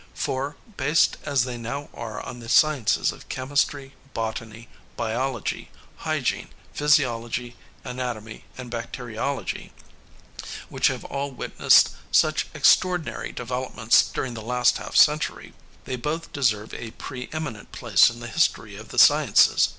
For, based as they now are on the sciences of chemistry, botany, biology, hygiene, physiology, anatomy and bacteriology, which have all witnessed such extraordinary developments during the last half century, they both deserve a preëminent place in the history of the sciences.